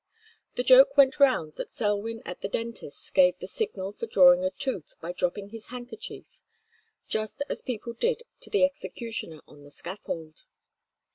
The joke went round that Selwyn at the dentist's gave the signal for drawing a tooth by dropping his handkerchief, just as people did to the executioner on the scaffold.